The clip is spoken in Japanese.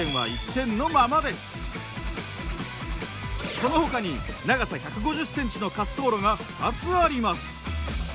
このほかに長さ１５０ｃｍの滑走路が２つあります。